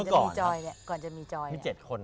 เป็นตามดวง